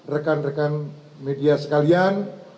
rekan rekan media sekalian